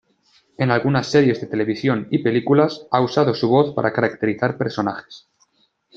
En algunas series de televisión y películas, ha usado su voz para caracterizar personajes.